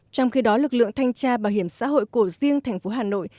trong khi đó lực lượng thanh tra bảo hiểm xã hội của riêng thành phố hà nội